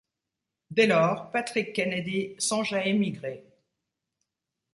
Dès lors, Patrick Kennedy songe à émigrer.